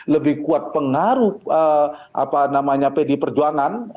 lebih kuat pengaruh apa namanya p di perjuangan